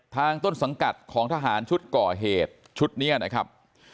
ต้นสังกัดของทหารชุดก่อเหตุชุดนี้นะครับ